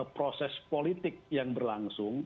proses politik yang berlangsung